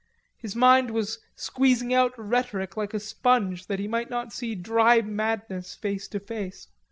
His mind was squeezing out rhetoric like a sponge that he might not see dry madness face to face.